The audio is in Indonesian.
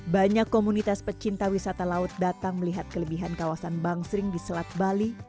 banyak komunitas pecinta wisata laut datang melihat kelebihan kawasan bangsering di selat bali